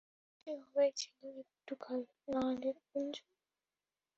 জ্বর বুঝি হয়েছিল একটু কাল, না রে কুঞ্জ?